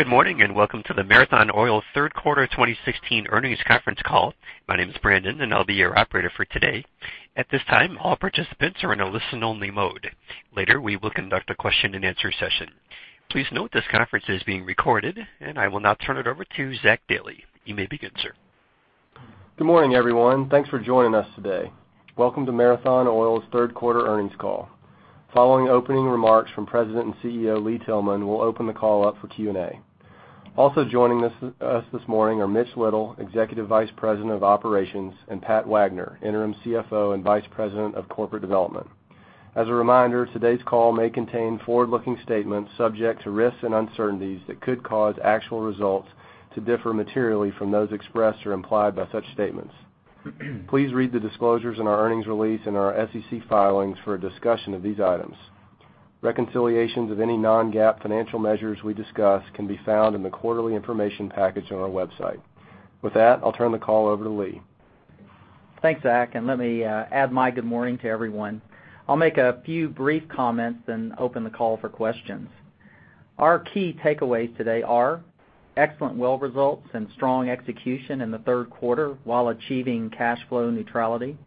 Good morning, welcome to the Marathon Oil third quarter 2016 earnings conference call. My name is Brandon, and I'll be your operator for today. At this time, all participants are in a listen-only mode. Later, we will conduct a question and answer session. Please note this conference is being recorded, I will now turn it over to Zach Dailey. You may begin, sir. Good morning, everyone. Thanks for joining us today. Welcome to Marathon Oil's third quarter earnings call. Following opening remarks from President and CEO Lee Tillman, we'll open the call up for Q&A. Also joining us this morning are Mitch Little, Executive Vice President of Operations, and Pat Wagner, Interim CFO and Vice President of Corporate Development. As a reminder, today's call may contain forward-looking statements subject to risks and uncertainties that could cause actual results to differ materially from those expressed or implied by such statements. Please read the disclosures in our earnings release and our SEC filings for a discussion of these items. Reconciliations of any non-GAAP financial measures we discuss can be found in the quarterly information package on our website. I'll turn the call over to Lee. Thanks, Zach, let me add my good morning to everyone. I'll make a few brief comments, open the call for questions. Our key takeaways today are excellent well results and strong execution in the third quarter while achieving cash flow neutrality,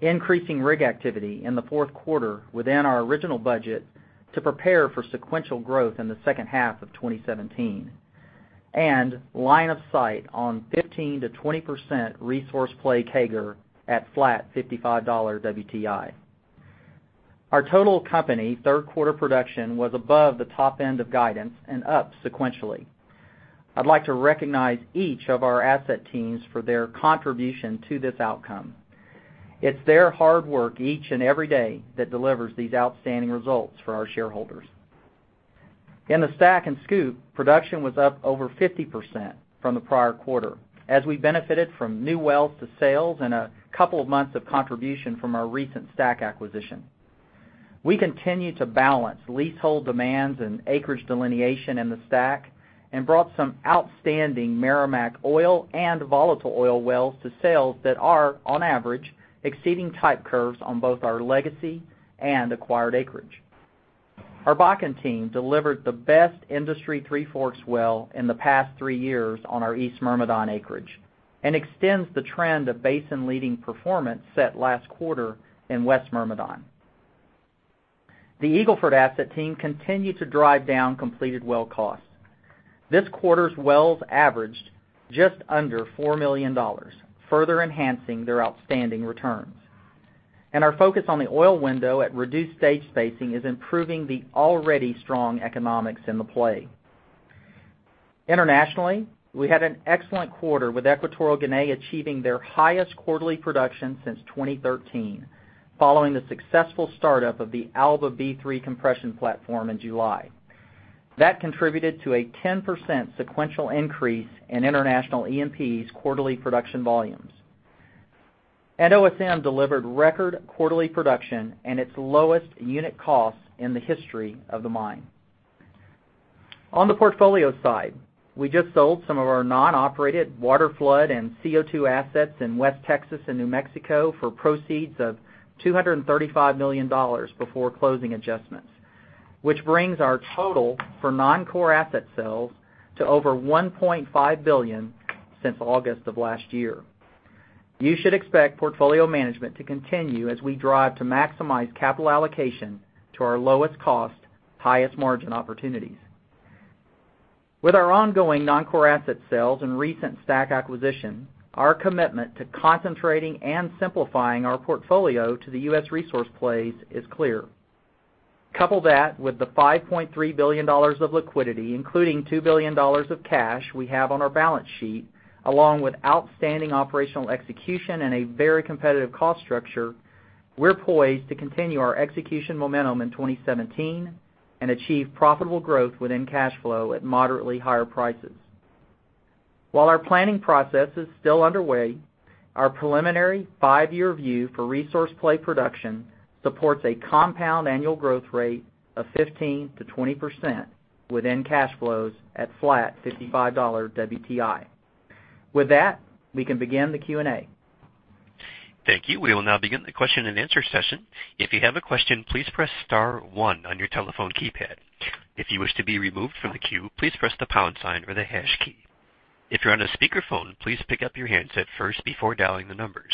increasing rig activity in the fourth quarter within our original budget to prepare for sequential growth in the second half of 2017, line of sight on 15%-20% resource play CAGR at flat $55 WTI. Our total company third-quarter production was above the top end of guidance and up sequentially. I'd like to recognize each of our asset teams for their contribution to this outcome. It's their hard work each and every day that delivers these outstanding results for our shareholders. In the STACK and SCOOP, production was up over 50% from the prior quarter as we benefited from new wells to sales and a couple of months of contribution from our recent STACK acquisition. We continue to balance leasehold demands and acreage delineation in the STACK and brought some outstanding Meramec oil and volatile oil wells to sales that are, on average, exceeding type curves on both our legacy and acquired acreage. Our Bakken team delivered the best industry Three Forks well in the past three years on our East Myrmidon acreage and extends the trend of basin-leading performance set last quarter in West Myrmidon. The Eagle Ford asset team continued to drive down completed well costs. This quarter's wells averaged just under $4 million, further enhancing their outstanding returns. Our focus on the oil window at reduced stage spacing is improving the already strong economics in the play. Internationally, we had an excellent quarter with Equatorial Guinea achieving their highest quarterly production since 2013, following the successful startup of the Alba B3 compression platform in July. That contributed to a 10% sequential increase in international E&P's quarterly production volumes. OSM delivered record quarterly production and its lowest unit cost in the history of the mine. On the portfolio side, we just sold some of our non-operated waterflood and CO2 assets in West Texas and New Mexico for proceeds of $235 million before closing adjustments, which brings our total for non-core asset sales to over $1.5 billion since August of last year. You should expect portfolio management to continue as we drive to maximize capital allocation to our lowest cost, highest margin opportunities. With our ongoing non-core asset sales and recent STACK acquisition, our commitment to concentrating and simplifying our portfolio to the U.S. resource plays is clear. Couple that with the $5.3 billion of liquidity, including $2 billion of cash we have on our balance sheet, along with outstanding operational execution and a very competitive cost structure, we're poised to continue our execution momentum in 2017 and achieve profitable growth within cash flow at moderately higher prices. While our planning process is still underway, our preliminary five-year view for resource play production supports a compound annual growth rate of 15%-20% within cash flows at flat $55 WTI. With that, we can begin the Q&A. Thank you. We will now begin the question and answer session. If you have a question, please press star one on your telephone keypad. If you wish to be removed from the queue, please press the pound sign or the hash key. If you're on a speakerphone, please pick up your handset first before dialing the numbers.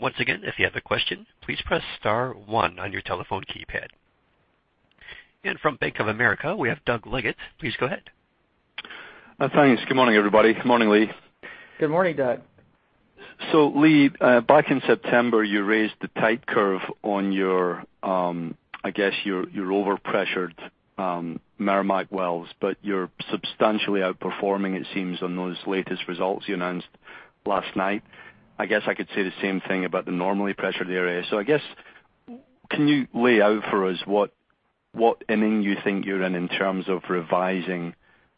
Once again, if you have a question, please press star one on your telephone keypad. From Bank of America, we have Doug Leggate. Please go ahead. Thanks. Good morning, everybody. Good morning, Lee. Good morning, Doug. Lee, back in September, you raised the type curve on your overpressured Meramec wells, you're substantially outperforming it seems on those latest results you announced last night. I guess I could say the same thing about the normally pressured area. I guess, can you lay out for us what inning you think you're in in terms of revising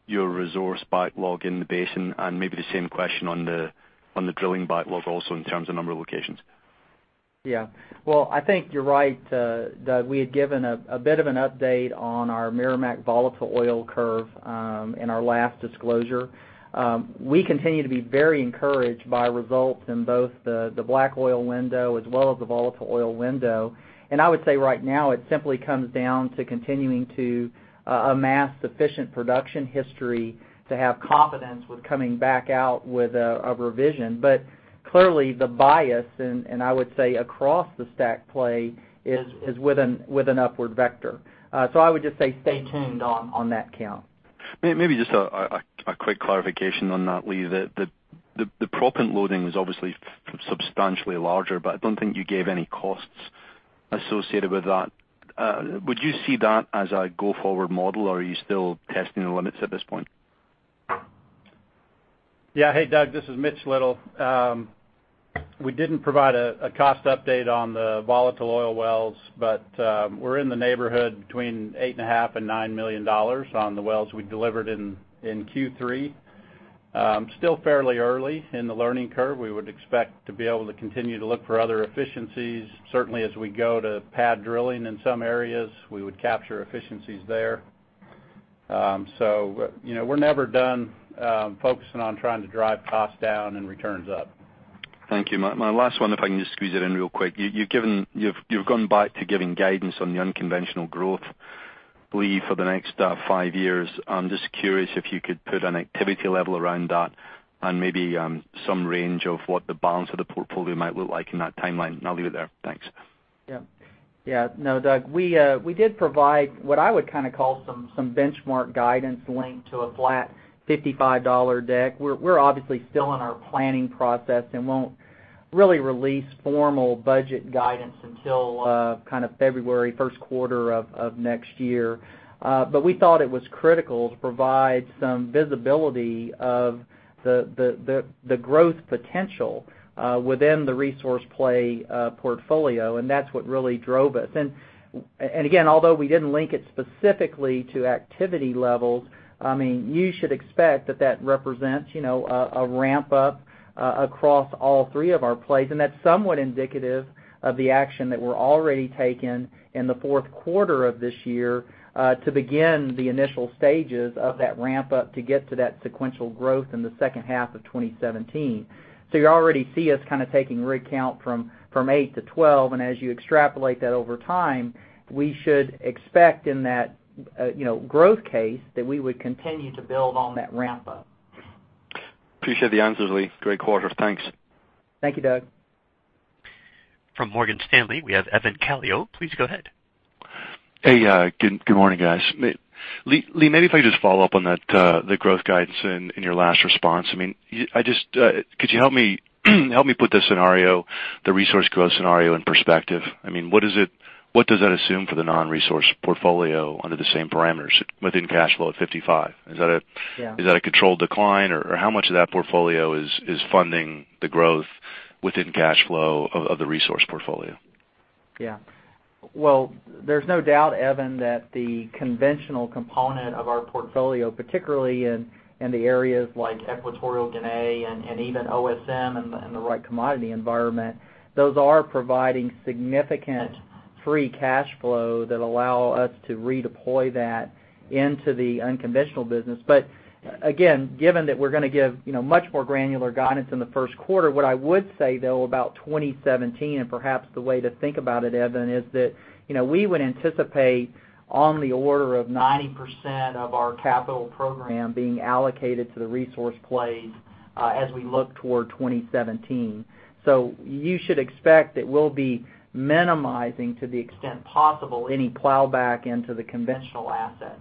your resource backlog in the basin and maybe the same question on the drilling backlog also in terms of number of locations? Yeah. Well, I think you're right, Doug. We had given a bit of an update on our Meramec volatile oil curve in our last disclosure. We continue to be very encouraged by results in both the black oil window as well as the volatile oil window. I would say right now it simply comes down to continuing to amass sufficient production history to have confidence with coming back out with a revision. Clearly the bias, and I would say across the STACK play, is with an upward vector. I would just say stay tuned on that count. Maybe just a quick clarification on that, Lee. The proppant loading is obviously substantially larger, I don't think you gave any costs associated with that. Would you see that as a go-forward model, or are you still testing the limits at this point? Hey, Doug, this is Mitch Little. We didn't provide a cost update on the volatile oil wells, but we're in the neighborhood between $8.5 million and $9 million on the wells we delivered in Q3. Still fairly early in the learning curve. We would expect to be able to continue to look for other efficiencies. Certainly, as we go to pad drilling in some areas, we would capture efficiencies there. We're never done focusing on trying to drive costs down and returns up. Thank you. My last one, if I can just squeeze it in real quick. You've gone back to giving guidance on the unconventional growth, Lee, for the next five years. I'm just curious if you could put an activity level around that and maybe some range of what the balance of the portfolio might look like in that timeline, and I'll leave it there. Thanks. No, Doug, we did provide what I would call some benchmark guidance linked to a flat $55 deck. We're obviously still in our planning process and won't really release formal budget guidance until February, first quarter of next year. We thought it was critical to provide some visibility of the growth potential within the resource play portfolio, and that's what really drove us. Again, although we didn't link it specifically to activity levels, you should expect that that represents a ramp-up across all three of our plays. That's somewhat indicative of the action that we're already taking in the fourth quarter of this year to begin the initial stages of that ramp-up to get to that sequential growth in the second half of 2017. You already see us taking rig count from eight to 12, and as you extrapolate that over time, we should expect in that growth case that we would continue to build on that ramp-up. Appreciate the answers, Lee. Great quarter. Thanks. Thank you, Doug. From Morgan Stanley, we have Evan Calio. Please go ahead. Hey, good morning, guys. Lee, maybe if I could just follow up on the growth guidance in your last response. Could you help me put the resource growth scenario in perspective? What does that assume for the non-resource portfolio under the same parameters within cash flow at $55? Yeah. Is that a controlled decline, or how much of that portfolio is funding the growth within cash flow of the resource portfolio? Yeah. Well, there's no doubt, Evan, that the conventional component of our portfolio, particularly in the areas like Equatorial Guinea and even OSM in the right commodity environment, those are providing significant free cash flow that allow us to redeploy that into the unconventional business. Again, given that we're going to give much more granular guidance in the first quarter, what I would say, though, about 2017, and perhaps the way to think about it, Evan, is that we would anticipate on the order of 90% of our capital program being allocated to the resource plays as we look toward 2017. You should expect that we'll be minimizing, to the extent possible, any plowback into the conventional assets.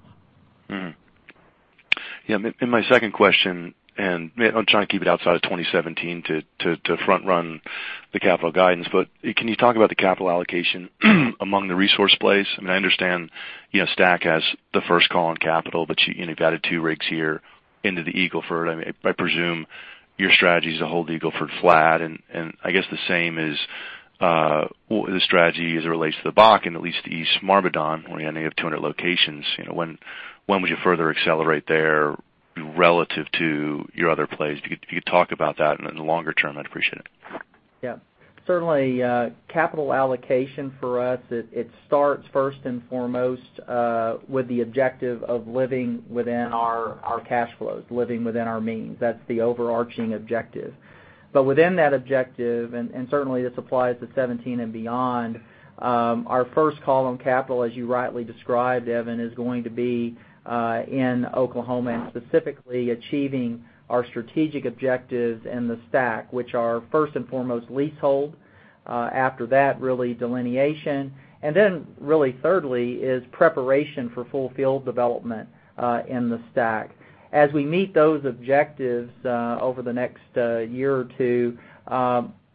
Mm-hmm. Yeah, my second question, I'll try and keep it outside of 2017 to front-run the capital guidance. Can you talk about the capital allocation among the resource plays? I understand STACK has the first call on capital, you've added two rigs here into the Eagle Ford. I presume your strategy is to hold Eagle Ford flat, and I guess the same is the strategy as it relates to the Bakken, at least East Myrmidon, where you only have 200 locations. When would you further accelerate there relative to your other plays? If you could talk about that in the longer term, I'd appreciate it. Yeah. Certainly, capital allocation for us, it starts first and foremost with the objective of living within our cash flows, living within our means. That's the overarching objective. Within that objective, and certainly this applies to 2017 and beyond, our first call on capital, as you rightly described, Evan, is going to be in Oklahoma, and specifically achieving our strategic objectives in the STACK, which are first and foremost leasehold. After that, really delineation. Then really thirdly is preparation for full field development in the STACK. As we meet those objectives over the next year or two,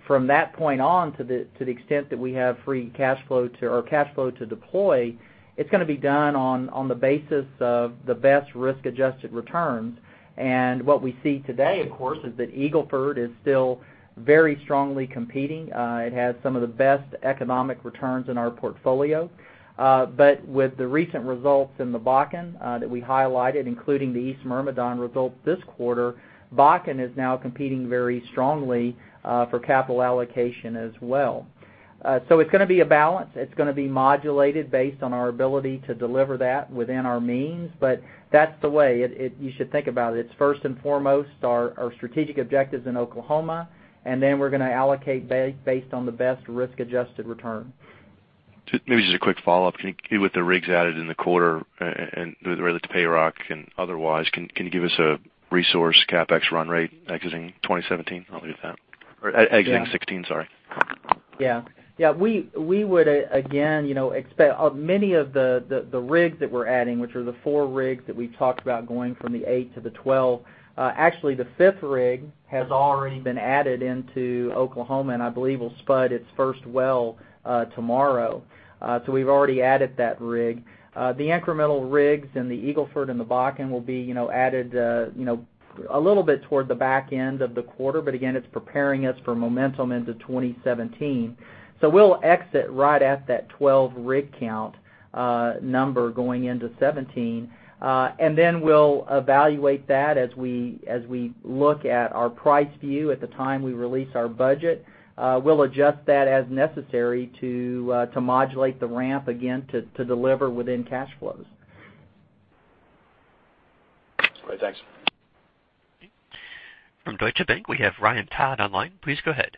from that point on, to the extent that we have free cash flow to deploy, it's going to be done on the basis of the best risk-adjusted returns. What we see today, of course, is that Eagle Ford is still very strongly competing. It has some of the best economic returns in our portfolio. With the recent results in the Bakken that we highlighted, including the East Myrmidon results this quarter, Bakken is now competing very strongly for capital allocation as well. It's going to be a balance. It's going to be modulated based on our ability to deliver that within our means, but that's the way you should think about it. It's first and foremost our strategic objectives in Oklahoma, then we're going to allocate based on the best risk-adjusted return. Maybe just a quick follow-up. With the rigs added in the quarter and related to Payrock and otherwise, can you give us a resource CapEx run rate exiting 2017? I'll leave it at that. Or exiting 2016, sorry. Yeah. We would, again, expect many of the rigs that we're adding, which are the four rigs that we talked about going from the eight to the 12. Actually, the fifth rig has already been added into Oklahoma, and I believe will spud its first well tomorrow. We've already added that rig. The incremental rigs in the Eagle Ford and the Bakken will be added a little bit toward the back end of the quarter. Again, it's preparing us for momentum into 2017. We'll exit right at that 12 rig count number going into 2017. Then we'll evaluate that as we look at our price view at the time we release our budget. We'll adjust that as necessary to modulate the ramp, again, to deliver within cash flows. Great. Thanks. From Deutsche Bank, we have Ryan Todd online. Please go ahead.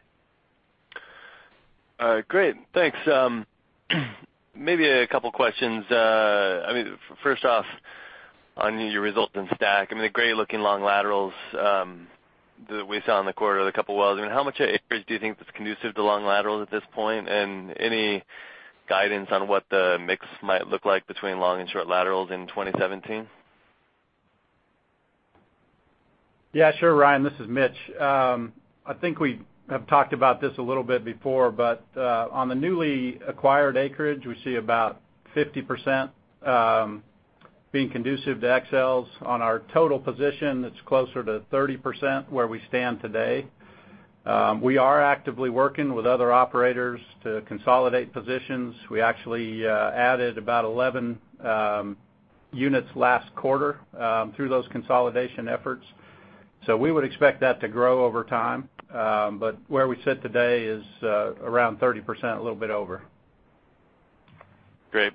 Great, thanks. Maybe a couple questions. First off, on your results in STACK. The great looking long laterals that we saw in the quarter, the couple wells. How much acreage do you think is conducive to long laterals at this point? Any guidance on what the mix might look like between long and short laterals in 2017? Yeah, sure, Ryan. This is Mitch. I think we have talked about this a little bit before, but on the newly acquired acreage, we see about 50% being conducive to XLs. On our total position, it's closer to 30% where we stand today. We are actively working with other operators to consolidate positions. We actually added about 11 units last quarter through those consolidation efforts. We would expect that to grow over time. Where we sit today is around 30%, a little bit over. Great.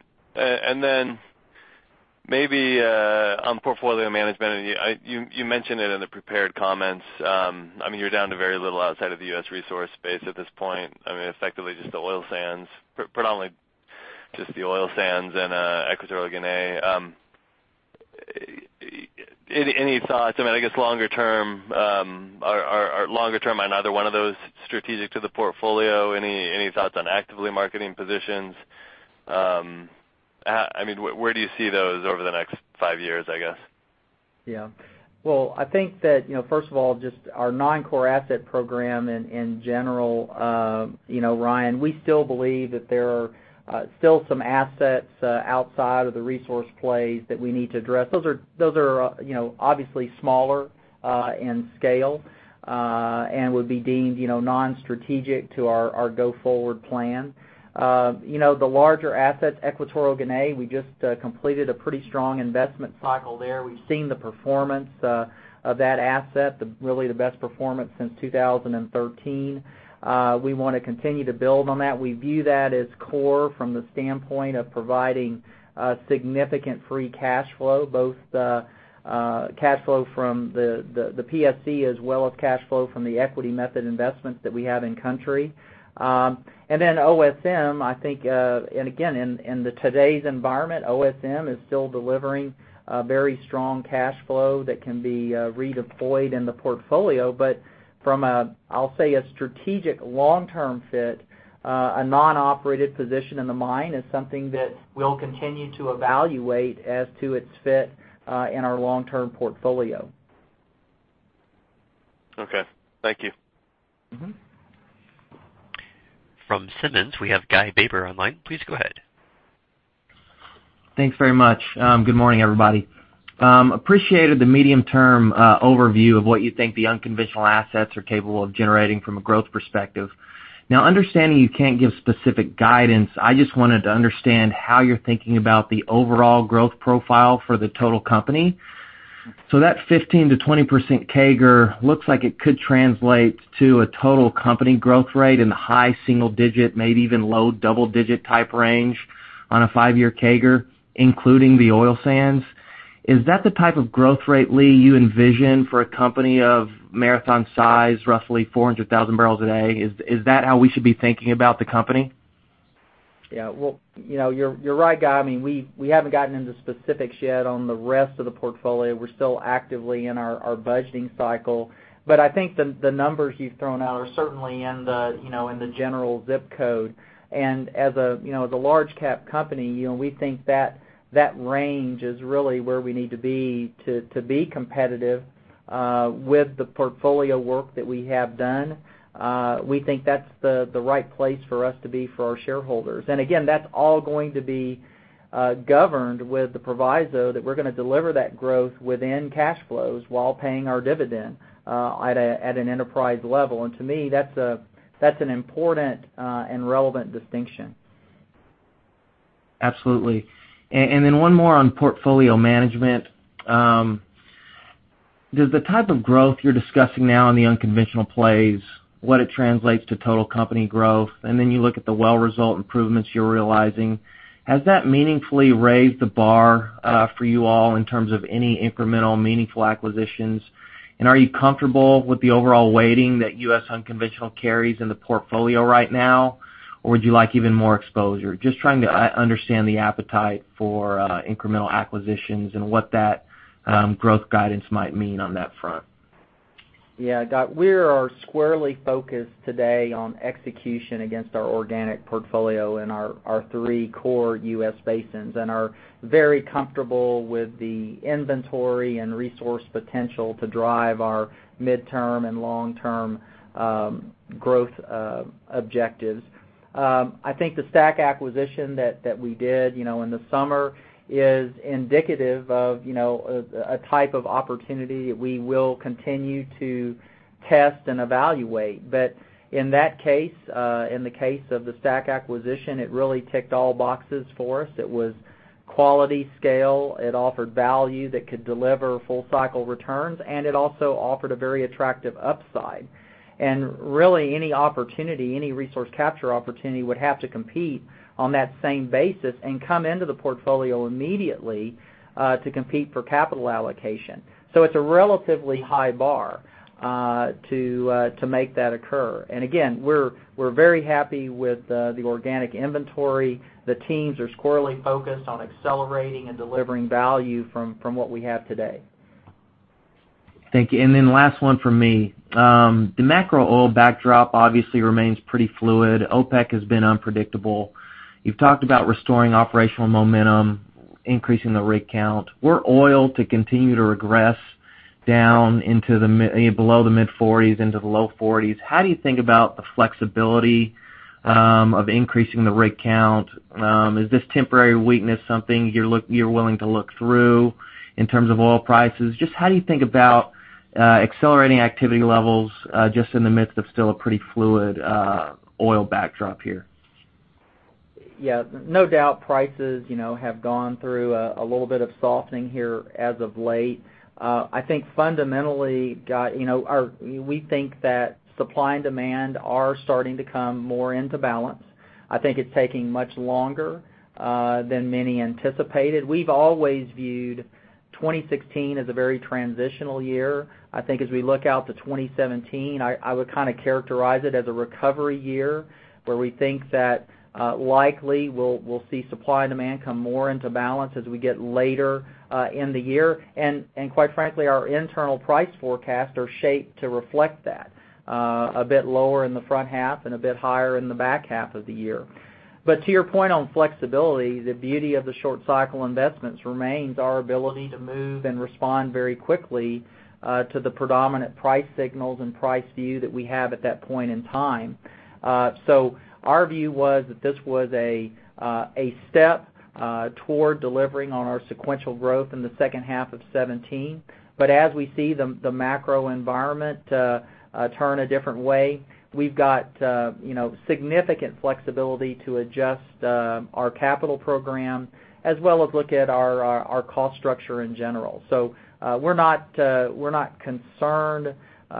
Then maybe on portfolio management, you mentioned it in the prepared comments. You're down to very little outside of the U.S. resource space at this point. Effectively just the oil sands, predominantly just the oil sands and Equatorial Guinea. Any thoughts? I guess longer term, are longer term on either one of those strategic to the portfolio? Any thoughts on actively marketing positions? Where do you see those over the next five years, I guess? Well, I think that first of all, just our non-core asset program in general, Ryan, we still believe that there are still some assets outside of the resource plays that we need to address. Those are obviously smaller in scale, and would be deemed non-strategic to our go forward plan. The larger asset, Equatorial Guinea, we just completed a pretty strong investment cycle there. We've seen the performance of that asset, really the best performance since 2013. We want to continue to build on that. We view that as core from the standpoint of providing significant free cash flow, both the cash flow from the PSC as well as cash flow from the equity method investments that we have in country. OSM, I think, and again, in today's environment, OSM is still delivering a very strong cash flow that can be redeployed in the portfolio. From a, I'll say, a strategic long-term fit, a non-operated position in the mine is something that we'll continue to evaluate as to its fit in our long-term portfolio. Okay. Thank you. From Simmons, we have Guy Baber online. Please go ahead. Thanks very much. Good morning, everybody. Appreciated the medium term overview of what you think the unconventional assets are capable of generating from a growth perspective. Understanding you can't give specific guidance, I just wanted to understand how you're thinking about the overall growth profile for the total company. That 15%-20% CAGR looks like it could translate to a total company growth rate in the high single digit, maybe even low double digit type range on a five-year CAGR, including the oil sands. Is that the type of growth rate, Lee, you envision for a company of Marathon's size, roughly 400,000 barrels a day? Is that how we should be thinking about the company? Yeah. You're right, Guy. We haven't gotten into specifics yet on the rest of the portfolio. We're still actively in our budgeting cycle. I think the numbers you've thrown out are certainly in the general zip code. As a large cap company, we think that range is really where we need to be to be competitive with the portfolio work that we have done. We think that's the right place for us to be for our shareholders. Again, that's all going to be governed with the proviso that we're going to deliver that growth within cash flows while paying our dividend at an enterprise level. To me, that's an important and relevant distinction. Absolutely. One more on portfolio management. Does the type of growth you're discussing now in the unconventional plays, what it translates to total company growth, and then you look at the well result improvements you're realizing, has that meaningfully raised the bar for you all in terms of any incremental meaningful acquisitions? Are you comfortable with the overall weighting that U.S. unconventional carries in the portfolio right now, or would you like even more exposure? Just trying to understand the appetite for incremental acquisitions and what that growth guidance might mean on that front. Yeah. Guy, we are squarely focused today on execution against our organic portfolio in our three core U.S. basins and are very comfortable with the inventory and resource potential to drive our midterm and long-term growth objectives. I think the STACK acquisition that we did in the summer is indicative of a type of opportunity we will continue to test and evaluate. In that case, in the case of the STACK acquisition, it really ticked all boxes for us. It was quality scale, it offered value that could deliver full cycle returns, and it also offered a very attractive upside. Really any opportunity, any resource capture opportunity would have to compete on that same basis and come into the portfolio immediately to compete for capital allocation. It's a relatively high bar to make that occur. Again, we're very happy with the organic inventory. The teams are squarely focused on accelerating and delivering value from what we have today. Thank you. Last one from me. The macro oil backdrop obviously remains pretty fluid. OPEC has been unpredictable. You've talked about restoring operational momentum, increasing the rig count. Were oil to continue to regress down below the mid-40s into the low 40s, how do you think about the flexibility of increasing the rig count? Is this temporary weakness something you're willing to look through in terms of oil prices? Just how do you think about accelerating activity levels just in the midst of still a pretty fluid oil backdrop here? Yeah. No doubt prices have gone through a little bit of softening here as of late. I think fundamentally, Guy, we think that supply and demand are starting to come more into balance. I think it's taking much longer than many anticipated. We've always viewed 2016 as a very transitional year. I think as we look out to 2017, I would characterize it as a recovery year, where we think that likely we'll see supply and demand come more into balance as we get later in the year. Quite frankly, our internal price forecasts are shaped to reflect that. A bit lower in the front half and a bit higher in the back half of the year. To your point on flexibility, the beauty of the short cycle investments remains our ability to move and respond very quickly to the predominant price signals and price view that we have at that point in time. Our view was that this was a step toward delivering on our sequential growth in the second half of 2017. As we see the macro environment turn a different way, we've got significant flexibility to adjust our capital program as well as look at our cost structure in general. We're not concerned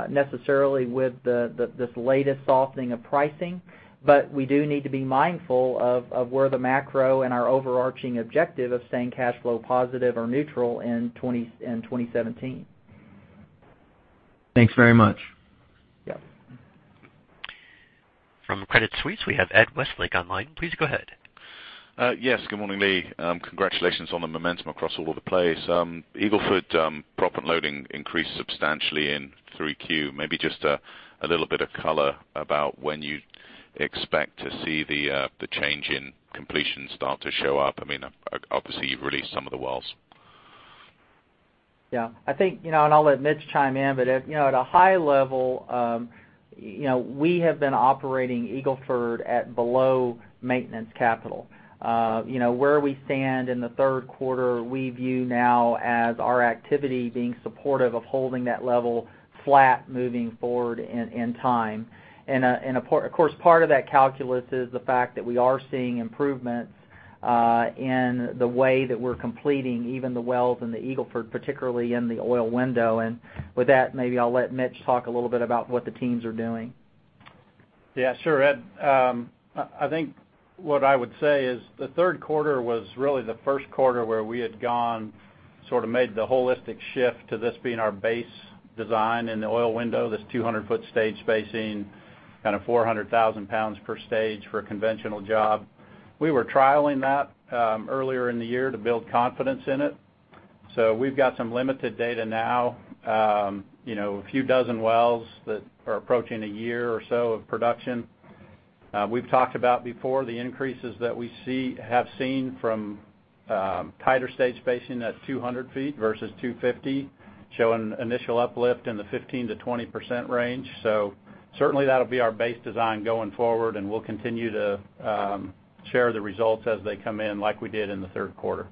necessarily with this latest softening of pricing, but we do need to be mindful of where the macro and our overarching objective of staying cash flow positive are neutral in 2017. Thanks very much. Yeah. From Credit Suisse, we have Ed Westlake on the line. Please go ahead. Yes. Good morning, Lee. Congratulations on the momentum across all of the plays. Eagle Ford proppant loading increased substantially in 3Q. Maybe just a little bit of color about when you expect to see the change in completion start to show up. Obviously, you've released some of the wells. Yeah. I think, and I'll let Mitch chime in, but at a high level, we have been operating Eagle Ford at below maintenance capital. Where we stand in the third quarter, we view now as our activity being supportive of holding that level flat moving forward in time. Of course, part of that calculus is the fact that we are seeing improvements in the way that we're completing even the wells in the Eagle Ford, particularly in the oil window. With that, maybe I'll let Mitch talk a little bit about what the teams are doing. Sure, Ed. I think what I would say is the third quarter was really the first quarter where we had gone, made the holistic shift to this being our base design in the oil window, this 200-foot stage spacing, kind of 400,000 pounds per stage for a conventional job. We were trialing that earlier in the year to build confidence in it. We've got some limited data now. A few dozen wells that are approaching a year or so of production. We've talked about before the increases that we have seen from tighter stage spacing at 200 feet versus 250, showing initial uplift in the 15%-20% range. Certainly, that'll be our base design going forward, and we'll continue to share the results as they come in, like we did in the third quarter.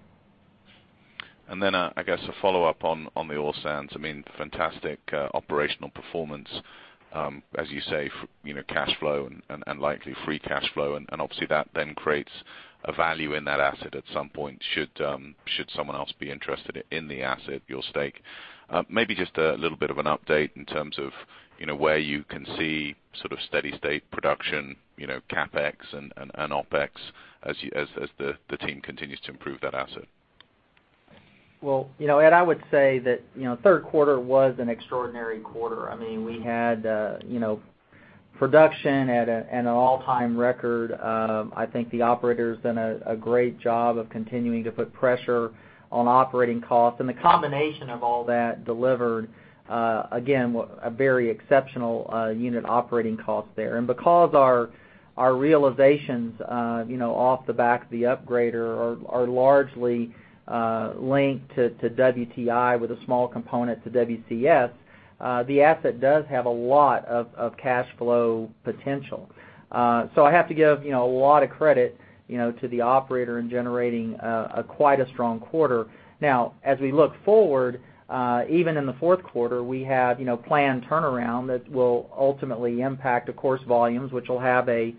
Then, I guess a follow-up on the Oil Sands. Fantastic operational performance, as you say, cash flow and likely free cash flow, and obviously that then creates a value in that asset at some point, should someone else be interested in the asset, your stake. Maybe just a little bit of an update in terms of where you can see steady state production, CapEx and OpEx, as the team continues to improve that asset. Ed, I would say that third quarter was an extraordinary quarter. We had production at an all-time record. I think the operator's done a great job of continuing to put pressure on operating costs, and the combination of all that delivered, again, a very exceptional unit operating cost there. Because our realizations off the back of the upgrader are largely linked to WTI with a small component to WCS, the asset does have a lot of cash flow potential. I have to give a lot of credit to the operator in generating quite a strong quarter. As we look forward, even in the fourth quarter, we have planned turnaround that will ultimately impact the course volumes, which will have a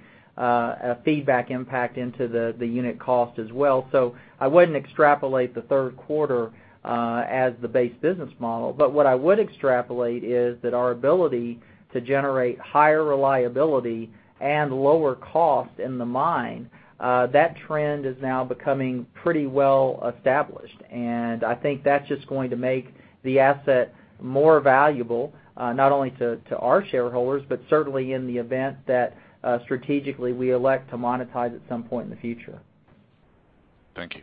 feedback impact into the unit cost as well. I wouldn't extrapolate the third quarter as the base business model, but what I would extrapolate is that our ability to generate higher reliability and lower cost in the mine, that trend is now becoming pretty well established. I think that's just going to make the asset more valuable, not only to our shareholders, but certainly in the event that strategically we elect to monetize at some point in the future. Thank you.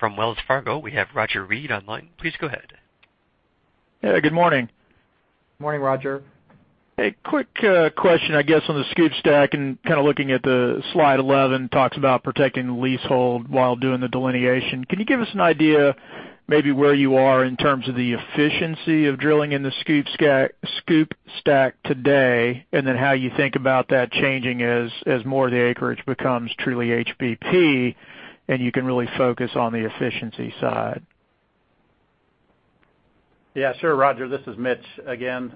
From Wells Fargo, we have Roger Read online. Please go ahead. Yeah, good morning. Morning, Roger. A quick question, I guess, on the SCOOP STACK and kind of looking at the slide 11, talks about protecting the leasehold while doing the delineation. Can you give us an idea maybe where you are in terms of the efficiency of drilling in the SCOOP STACK today, and then how you think about that changing as more of the acreage becomes truly HBP and you can really focus on the efficiency side? Yeah, sure, Roger. This is Mitch again.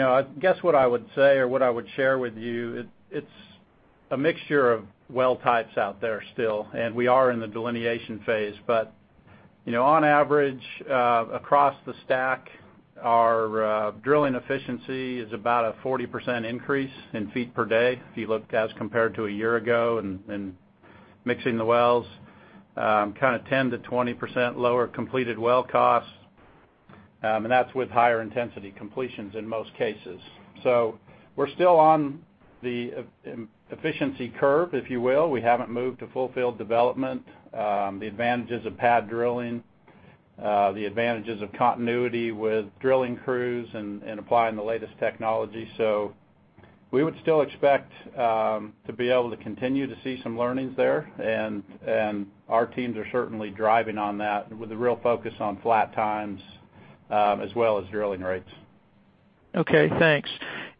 I guess what I would say, or what I would share with you, it's a mixture of well types out there still, and we are in the delineation phase. On average, across the STACK, our drilling efficiency is about a 40% increase in feet per day, if you look as compared to a year ago, and mixing the wells, kind of 10%-20% lower completed well costs. That's with higher intensity completions in most cases. We're still on the efficiency curve, if you will. We haven't moved to full field development. The advantages of pad drilling, the advantages of continuity with drilling crews and applying the latest technology. We would still expect to be able to continue to see some learnings there, our teams are certainly driving on that with the real focus on flat times as well as drilling rates. Okay, thanks.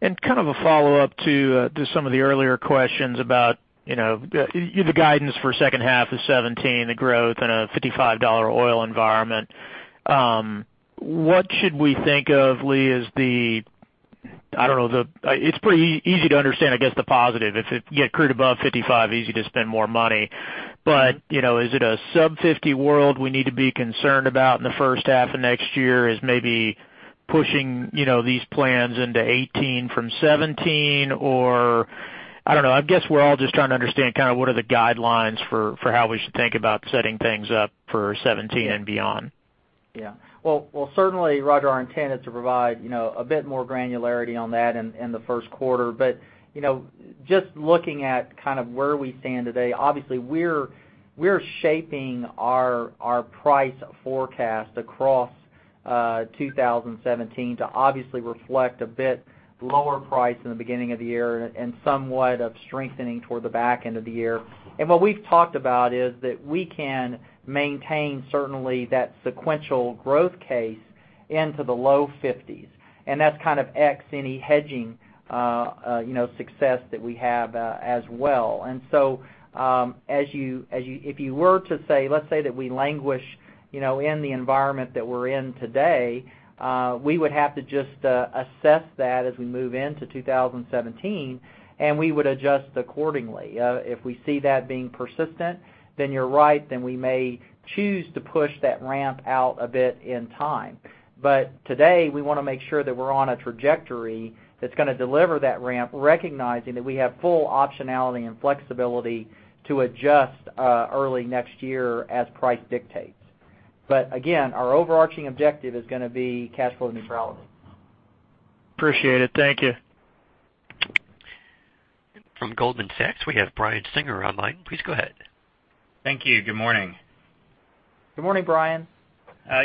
Kind of a follow-up to some of the earlier questions about the guidance for second half of 2017, the growth in a $55 oil environment. What should we think of, Lee, as the, I don't know, it's pretty easy to understand, I guess, the positive, if you get crude above $55, easy to spend more money. Is it a sub $50 world we need to be concerned about in the first half of next year as maybe pushing these plans into 2018 from 2017, or I don't know. I guess we're all just trying to understand what are the guidelines for how we should think about setting things up for 2017 and beyond. Yeah. Well, certainly, Roger, our intent is to provide a bit more granularity on that in the first quarter. Just looking at where we stand today, obviously we're shaping our price forecast across 2017 to obviously reflect a bit lower price in the beginning of the year and somewhat of strengthening toward the back end of the year. What we've talked about is that we can maintain certainly that sequential growth case into the low 50s, and that's kind of X any hedging success that we have as well. So if you were to say, let's say that we languish in the environment that we're in today, we would have to just assess that as we move into 2017, and we would adjust accordingly. If we see that being persistent, you're right, then we may choose to push that ramp out a bit in time. Today, we want to make sure that we're on a trajectory that's going to deliver that ramp, recognizing that we have full optionality and flexibility to adjust early next year as price dictates. Again, our overarching objective is going to be cash flow neutrality. Appreciate it. Thank you. From Goldman Sachs, we have Brian Singer online. Please go ahead. Thank you. Good morning. Good morning, Brian.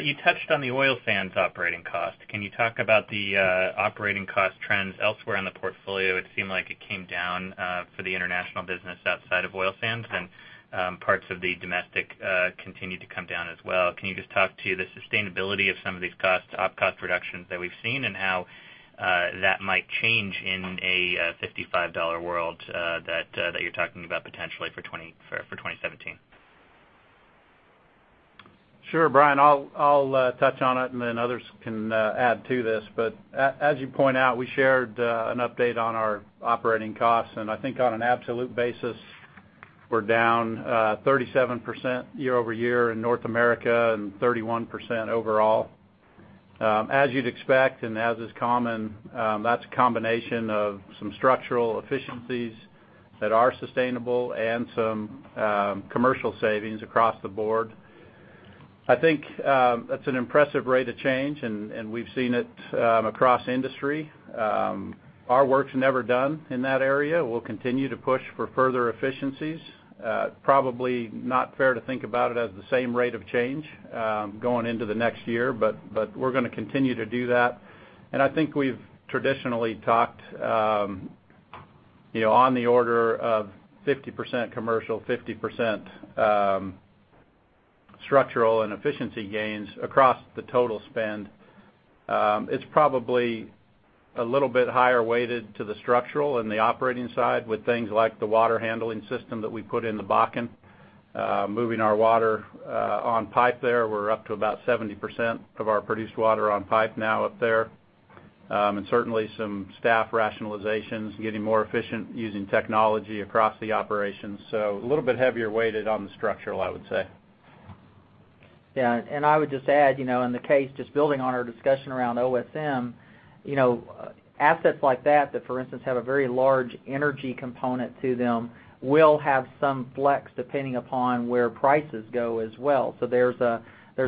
You touched on the oil sands operating cost. Can you talk about the operating cost trends elsewhere in the portfolio? It seemed like it came down for the international business outside of oil sands, and parts of the domestic continued to come down as well. Can you just talk to the sustainability of some of these costs, op cost reductions that we've seen, and how that might change in a $55 world that you're talking about potentially for 2017? Sure, Brian, I'll touch on it, and then others can add to this. As you point out, we shared an update on our operating costs, and I think on an absolute basis, we're down 37% year-over-year in North America and 31% overall. As you'd expect and as is common, that's a combination of some structural efficiencies that are sustainable and some commercial savings across the board. I think that's an impressive rate of change, and we've seen it across industry. Our work's never done in that area. We'll continue to push for further efficiencies. Probably not fair to think about it as the same rate of change going into the next year, but we're going to continue to do that. I think we've traditionally talked on the order of 50% commercial, 50% structural and efficiency gains across the total spend. It's probably a little bit higher weighted to the structural and the operating side with things like the water handling system that we put in the Bakken. Moving our water on pipe there, we're up to about 70% of our produced water on pipe now up there. Certainly some staff rationalizations, getting more efficient using technology across the operations. A little bit heavier weighted on the structural, I would say. Yeah. I would just add, in the case, just building on our discussion around OSM, assets like that, for instance, have a very large energy component to them, will have some flex depending upon where prices go as well. There's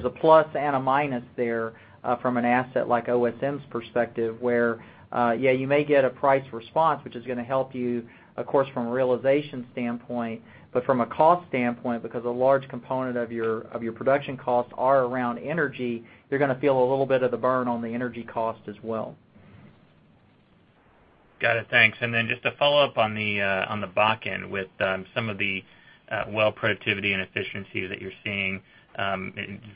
a plus and a minus there from an asset like OSM's perspective, where, yes, you may get a price response, which is going to help you, of course, from a realization standpoint, but from a cost standpoint, because a large component of your production costs are around energy, you're going to feel a little bit of the burn on the energy cost as well. Got it, thanks. Just to follow up on the Bakken with some of the well productivity and efficiency that you're seeing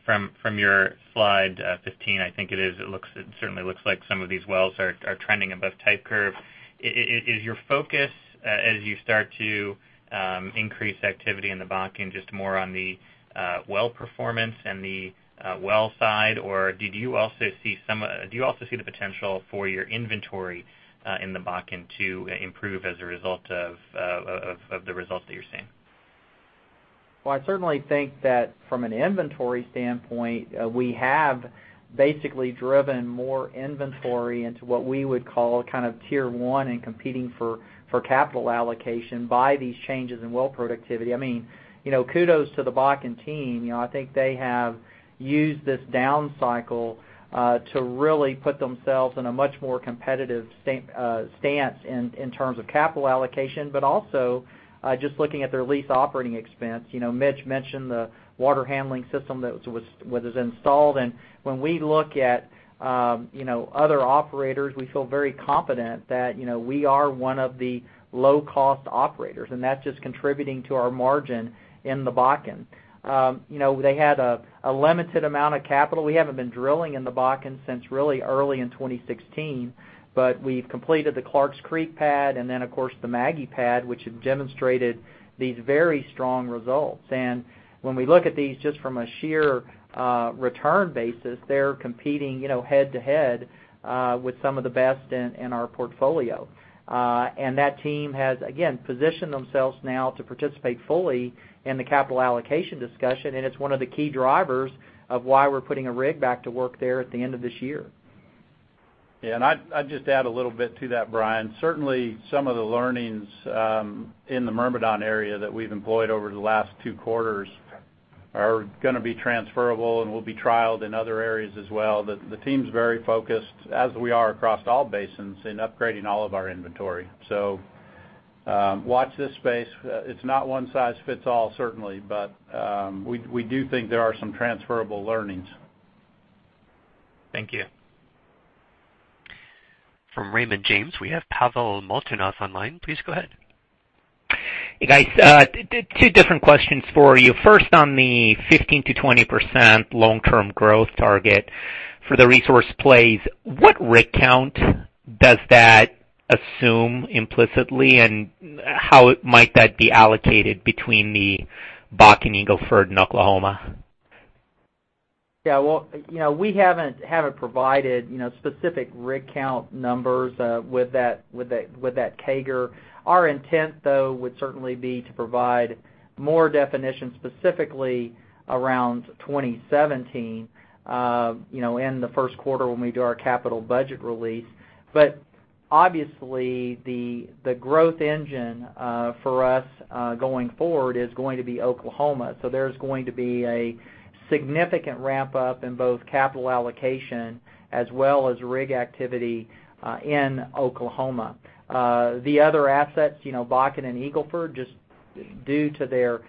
from your slide 15, I think it is. It certainly looks like some of these wells are trending above type curve. Is your focus, as you start to increase activity in the Bakken, just more on the well performance and the well side, or do you also see the potential for your inventory in the Bakken to improve as a result of the results that you're seeing? Well, I certainly think that from an inventory standpoint, we have basically driven more inventory into what we would call tier 1 in competing for capital allocation by these changes in well productivity. Kudos to the Bakken team. I think they have used this down cycle to really put themselves in a much more competitive stance in terms of capital allocation, but also just looking at their lease operating expense. Mitch mentioned the water handling system that was installed. When we look at other operators, we feel very confident that we are one of the low-cost operators, and that's just contributing to our margin in the Bakken. They had a limited amount of capital. We haven't been drilling in the Bakken since really early in 2016. We've completed the Clarks Creek pad and then, of course, the Maggie pad, which have demonstrated these very strong results. When we look at these just from a sheer return basis, they're competing head to head with some of the best in our portfolio. That team has, again, positioned themselves now to participate fully in the capital allocation discussion, and it's one of the key drivers of why we're putting a rig back to work there at the end of this year. I'd just add a little bit to that, Brian. Certainly, some of the learnings in the Myrmidon area that we've employed over the last two quarters are going to be transferable and will be trialed in other areas as well. The team's very focused, as we are across all basins, in upgrading all of our inventory. Watch this space. It's not one size fits all certainly, but we do think there are some transferable learnings. Thank you. From Raymond James, we have Pavel Molchanov online. Please go ahead. Hey, guys. Two different questions for you. First, on the 15%-20% long-term growth target for the resource plays, what rig count does that assume implicitly, and how might that be allocated between the Bakken, Eagle Ford, and Oklahoma? Yeah. Well, we haven't provided specific rig count numbers with that CAGR. Our intent, though, would certainly be to provide more definition specifically around 2017 in the first quarter when we do our capital budget release. Obviously, the growth engine for us going forward is going to be Oklahoma. There's going to be a significant ramp-up in both capital allocation as well as rig activity in Oklahoma. The other assets, Bakken and Eagle Ford, just due to their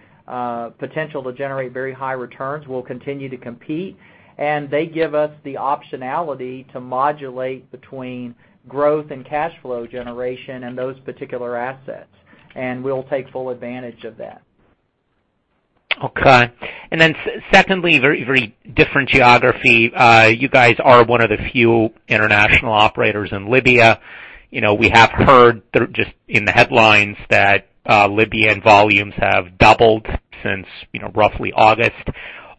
potential to generate very high returns, will continue to compete, and they give us the optionality to modulate between growth and cash flow generation in those particular assets, and we'll take full advantage of that. Okay. Secondly, very different geography. You guys are one of the few international operators in Libya. We have heard just in the headlines that Libyan volumes have doubled since roughly August.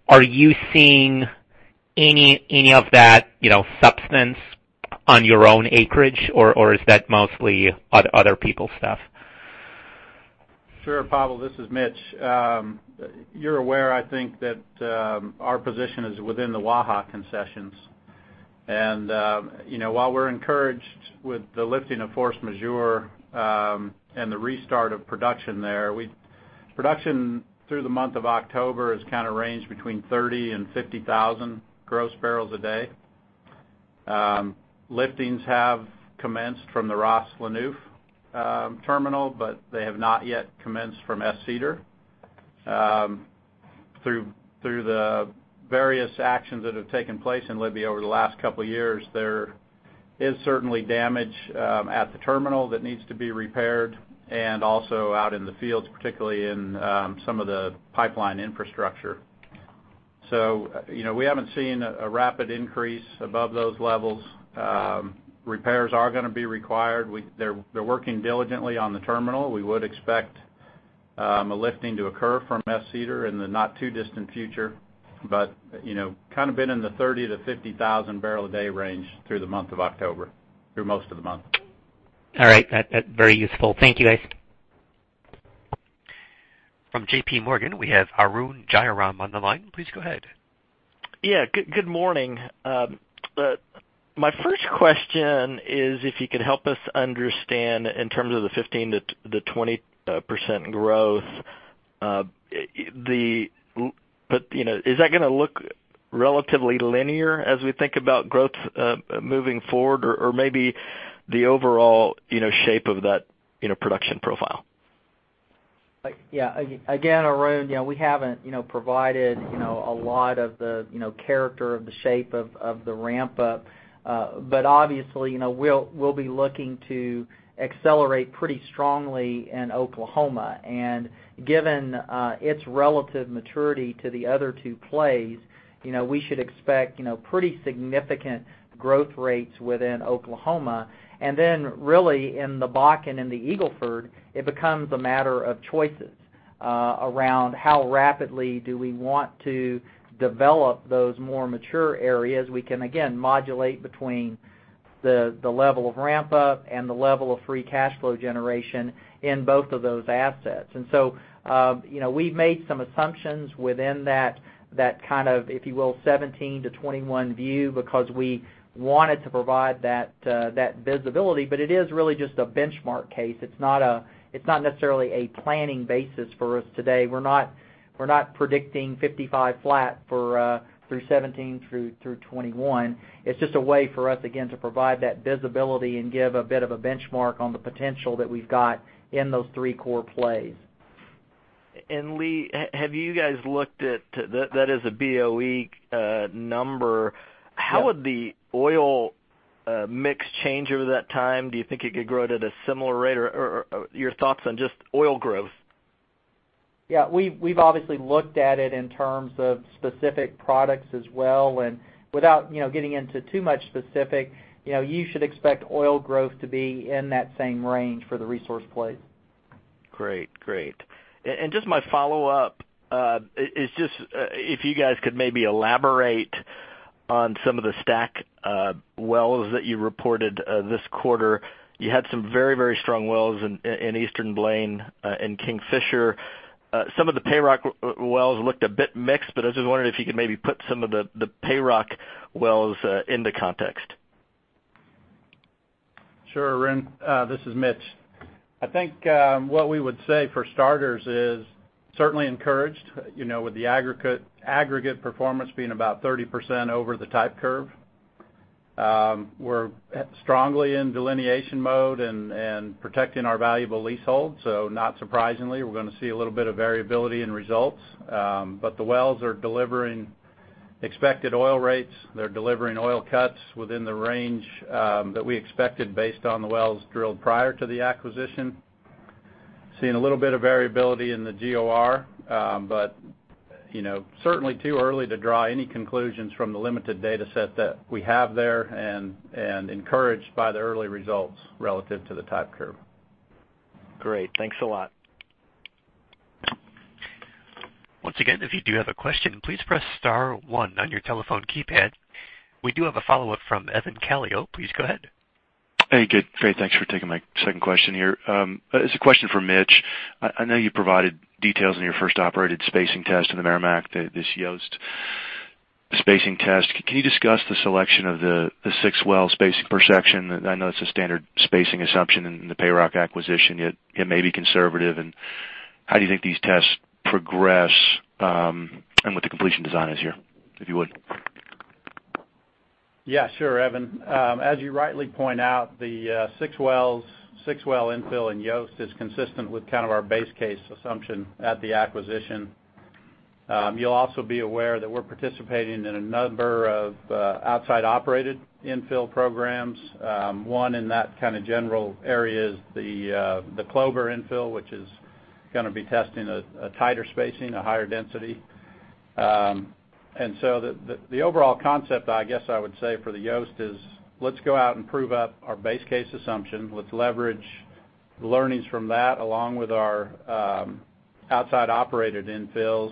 Are you seeing any of that substance on your own acreage, or is that mostly other people's stuff? Sure, Pavel, this is Mitch. You're aware, I think, that our position is within the Waha concessions. While we're encouraged with the lifting of force majeure and the restart of production there, production through the month of October has kind of ranged between 30,000 and 50,000 gross barrels a day. Liftings have commenced from the Ras Lanuf terminal, but they have not yet commenced from Es Sider. Through the various actions that have taken place in Libya over the last couple of years, there is certainly damage at the terminal that needs to be repaired, and also out in the fields, particularly in some of the pipeline infrastructure. We haven't seen a rapid increase above those levels. Repairs are going to be required. They're working diligently on the terminal. We would expect a lifting to occur from Es Sider in the not too distant future, but kind of been in the 30,000-50,000 barrel a day range through the month of October, through most of the month. All right. Very useful. Thank you, guys. From JPMorgan, we have Arun Jayaram on the line. Please go ahead. Yeah. Good morning. My first question is if you could help us understand in terms of the 15%-20% growth. Is that going to look relatively linear as we think about growth moving forward, or maybe the overall shape of that production profile? Yeah. Again, Arun, we haven't provided a lot of the character of the shape of the ramp up. Obviously, we'll be looking to accelerate pretty strongly in Oklahoma. Given its relative maturity to the other two plays, we should expect pretty significant growth rates within Oklahoma. Really in the Bakken and the Eagle Ford, it becomes a matter of choices around how rapidly do we want to develop those more mature areas. We can, again, modulate between the level of ramp up and the level of free cash flow generation in both of those assets. We've made some assumptions within that kind of, if you will, 2017 to 2021 view because we wanted to provide that visibility. It is really just a benchmark case. It's not necessarily a planning basis for us today. We're not predicting 55 flat through 2017 through 2021. It's just a way for us, again, to provide that visibility and give a bit of a benchmark on the potential that we've got in those three core plays. Lee, have you guys looked at that as a BOE number? Yeah. How would the oil mix change over that time? Do you think it could grow at a similar rate, or your thoughts on just oil growth? Yeah. We've obviously looked at it in terms of specific products as well, without getting into too much specific, you should expect oil growth to be in that same range for the resource plays. Great. Just my follow-up is just if you guys could maybe elaborate on some of the STACK wells that you reported this quarter. You had some very strong wells in Eastern Blaine and Kingfisher. Some of the Payrock wells looked a bit mixed, I was just wondering if you could maybe put some of the Payrock wells into context. Sure, Arun. This is Mitch. I think what we would say for starters is certainly encouraged, with the aggregate performance being about 30% over the type curve. We're strongly in delineation mode and protecting our valuable leasehold. Not surprisingly, we're going to see a little bit of variability in results. The wells are delivering expected oil rates. They're delivering oil cuts within the range that we expected based on the wells drilled prior to the acquisition. Seeing a little bit of variability in the GOR. Certainly too early to draw any conclusions from the limited data set that we have there, and encouraged by the early results relative to the type curve. Great. Thanks a lot. Once again, if you do have a question, please press star one on your telephone keypad. We do have a follow-up from Evan Calio. Please go ahead. Hey. Good. Great. Thanks for taking my second question here. It's a question for Mitch. I know you provided details in your first operated spacing test in the Meramec, this Yost spacing test. Can you discuss the selection of the 6 well spacing per section? I know it's a standard spacing assumption in the Payrock acquisition, yet it may be conservative. How do you think these tests progress, and what the completion design is here, if you would? Yeah. Sure, Evan. As you rightly point out, the 6 well infill in Yost is consistent with kind of our base case assumption at the acquisition. You'll also be aware that we're participating in a number of outside operated infill programs. One in that kind of general area is the Clover infill, which is going to be testing a tighter spacing, a higher density. So the overall concept, I guess I would say for the Yost is let's go out and prove up our base case assumption. Let's leverage the learnings from that, along with our outside-operated infills,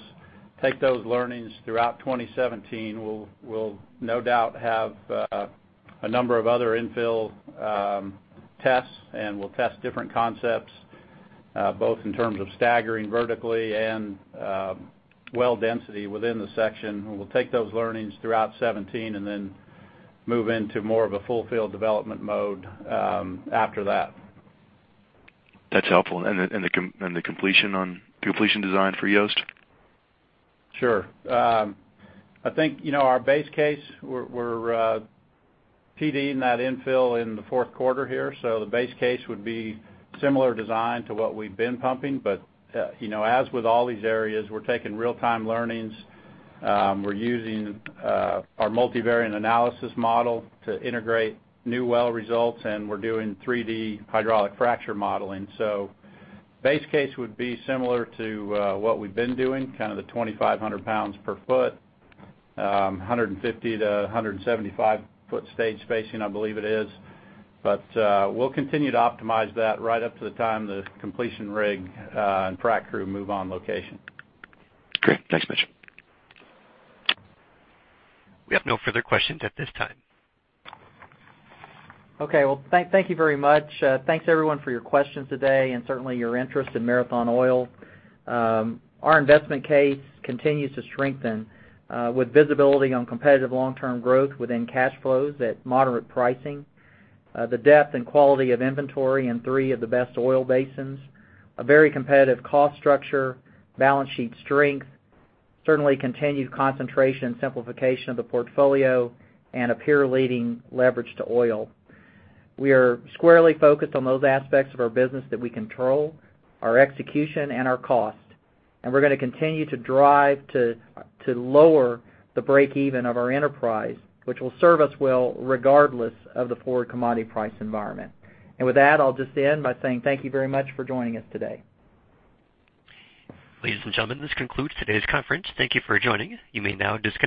take those learnings throughout 2017. We'll no doubt have a number of other infill tests, and we'll test different concepts, both in terms of staggering vertically and well density within the section. We'll take those learnings throughout 2017, then move into more of a full field development mode after that. That's helpful. The completion design for Yost? Sure. I think, our base case, we're PD-ing that infill in the fourth quarter here. The base case would be similar design to what we've been pumping. As with all these areas, we're taking real-time learnings. We're using our multivariate analysis model to integrate new well results, and we're doing 3D hydraulic fracture modeling. Base case would be similar to what we've been doing, kind of the 2,500 pounds per foot, 150 to 175 foot stage spacing, I believe it is. We'll continue to optimize that right up to the time the completion rig and frac crew move on location. Great. Thanks, Mitch. We have no further questions at this time. Thank you very much. Thanks everyone for your questions today and certainly your interest in Marathon Oil. Our investment case continues to strengthen, with visibility on competitive long-term growth within cash flows at moderate pricing. The depth and quality of inventory in three of the best oil basins, a very competitive cost structure, balance sheet strength, certainly continued concentration and simplification of the portfolio, and a peer-leading leverage to oil. We are squarely focused on those aspects of our business that we control, our execution, and our cost. We're going to continue to drive to lower the break even of our enterprise, which will serve us well regardless of the forward commodity price environment. With that, I'll just end by saying thank you very much for joining us today. Ladies and gentlemen, this concludes today's conference. Thank you for joining. You may now disconnect.